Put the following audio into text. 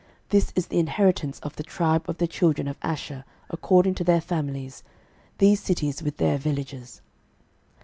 06:019:031 This is the inheritance of the tribe of the children of Asher according to their families, these cities with their villages.